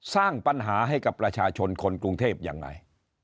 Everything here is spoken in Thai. สร้างปัญหาให้กับประชาชนคนกรุงเทพยังไง